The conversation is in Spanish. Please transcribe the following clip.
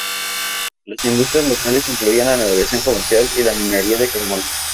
Las industrias locales incluían la navegación comercial y la minería de carbón.